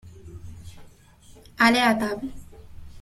Aller à table.